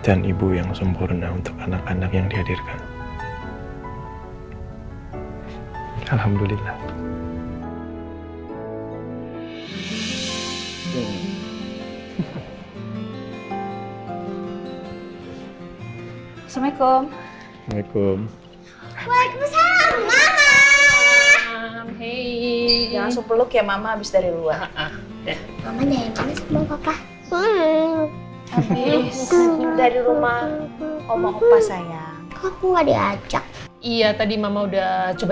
dijemput sama papa mau apa